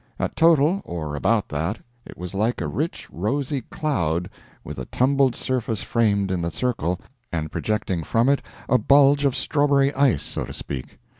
At total or about that it was like a rich rosy cloud with a tumbled surface framed in the circle and projecting from it a bulge of strawberry ice, so to speak.